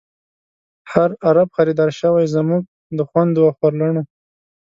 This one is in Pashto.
هر عرب خریدار شوۍ، زمونږ د خوندو او خور لڼو